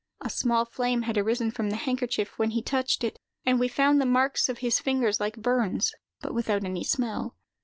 "A small flame had arisen from the handkerchief when he touched it; and we found the marks of his fingers like burns, but without any smell."